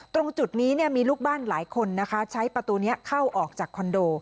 ตรงจุดนี้มีลูกบ้านหลายคนนะคะใช้ประตูนี้เข้าออกจากคอนโด